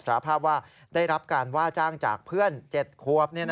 สารภาพว่าได้รับการว่าจ้างจากเพื่อน๗ควบ